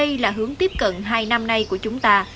đây là hướng tiếp cận hai năm nay của chúng ta